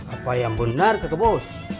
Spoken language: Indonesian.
apa yang bener ketubus